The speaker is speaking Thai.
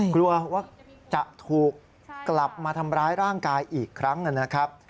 กลัวว่าจะถูกกลับมาทำร้ายร่างกายอีกครั้งนะครับ